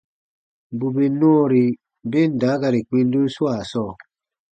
Bù bè nɔɔri ben daakari kpindun swaa sɔɔ,